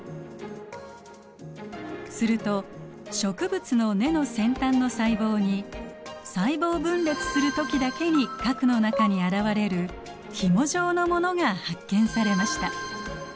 すると植物の根の先端の細胞に細胞分裂する時だけに核の中に現れるひも状のものが発見されました。